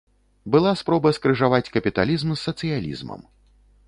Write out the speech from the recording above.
Была спроба скрыжаваць капіталізм з сацыялізмам.